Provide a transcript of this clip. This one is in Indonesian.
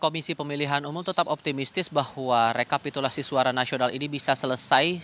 komisi pemilihan umum tetap optimistis bahwa rekapitulasi suara nasional ini bisa selesai